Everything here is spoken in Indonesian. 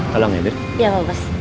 tolong ya dirk